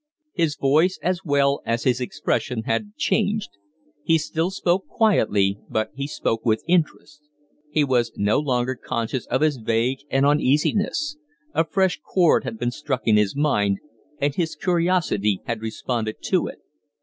His voice as well as his expression had changed. He still spoke quietly, but he spoke with interest. He was no longer conscious of his vague and uneasiness; a fresh chord had been struck in his mind, and his curiosity had responded to it.